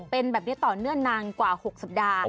เป็นแบบนี้ต่อเนื่องนานกว่า๖สัปดาห์